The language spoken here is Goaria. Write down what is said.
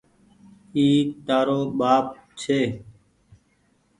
اي تآرو ٻآپ ڇي۔